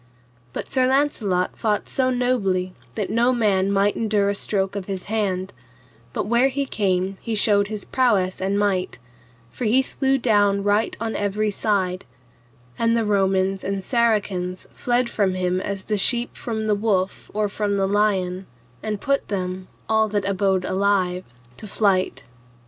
But Sir Launcelot fought so nobly that no man might endure a stroke of his hand, but where he came he showed his prowess and might, for he slew down right on every side; and the Romans and Saracens fled from him as the sheep from the wolf or from the lion, and put them, all that abode alive, to flight.